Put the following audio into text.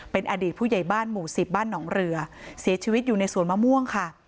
เป็นอดีตผู้ใหญ่บ้านหมู่สิบบ้านหนองเรือเสียชีวิตอยู่ในสวนมะม่วงค่ะ